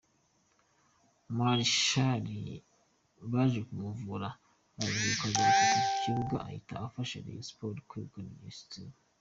Marshall baje kumuvura araruhuka agaruka mu kibuga, ahita afasha Rayon Sporta kwegukana iyo seti.